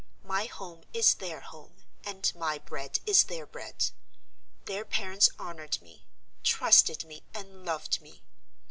My home is their home, and my bread is their bread. Their parents honored me, trusted me, and loved me.